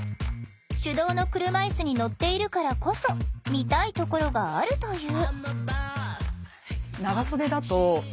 手動の車いすに乗っているからこそ見たいところがあるという。